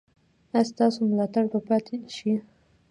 ایا ستاسو ملاتړ به پاتې شي؟